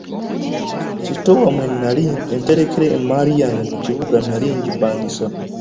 Sitoowa mwe nali ntereka emmaali yange mu kibuga nali ngipangisa.